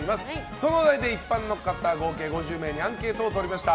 そのお題で一般の方合計５０名にアンケートを取りました。